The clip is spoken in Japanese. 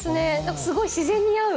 すごい自然に合う。